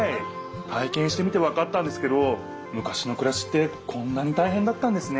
体けんしてみてわかったんですけどむかしのくらしってこんなにたいへんだったんですね。